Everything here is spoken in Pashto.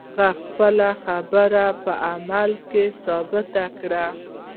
هغه خپله خبره په عمل کې ثابته کړه.